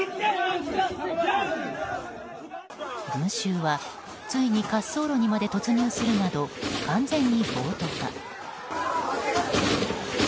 群衆はついに滑走路にまで突入するなど完全に暴徒化。